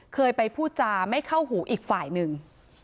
เคยไปพูดจาไม่เข้าหูอีกฝ่ายหนึ่ง